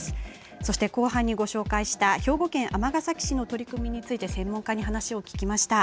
そして、後半にご紹介した兵庫県尼崎市の取り組みについて、専門家に話を聞きました。